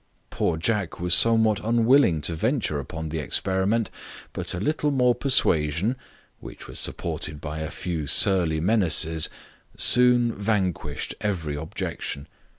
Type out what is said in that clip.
Poor Jack was somewhat unwilling to venture upon the experiment; but a little more persuasion, which was supported by a few surly menaces, soon vanquished every objection.